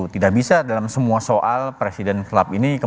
tidak bisa dalam semua soal presiden sklap ini yang berbeda